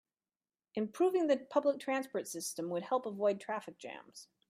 Improving the public transport system would help avoid traffic jams.